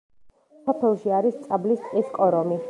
სოფელში არის წაბლის ტყის კორომი.